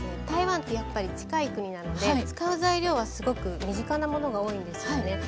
台湾ってやっぱり近い国なので使う材料はすごく身近なものが多いんですよね。